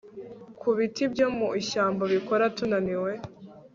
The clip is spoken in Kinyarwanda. Ku biti byo mu ishyamba bikora tunaniwe